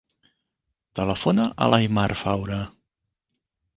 Telefona a l'Aimar Faura.